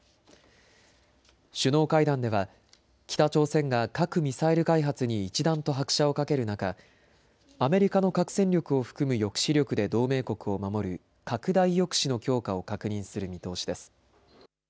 首脳会談では北朝鮮が核・ミサイル開発に一段と拍車をかける中、アメリカの核戦力を含む抑止力で同盟国を守る拡大抑止の強化を確認する見通しです。